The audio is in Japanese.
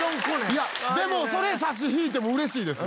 いやでもそれ差し引いても嬉しいです。